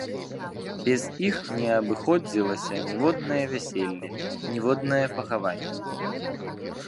Без іх не абыходзілася ніводнае вяселле, ніводнае пахаванне.